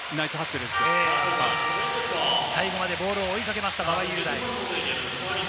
最後までボールを追いかけました、馬場雄大。